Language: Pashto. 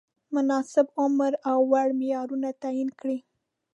مناسب عمر او وړ معیارونه تعین کړي.